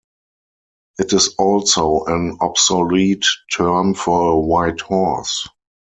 It is also an obsolete term for a white horse.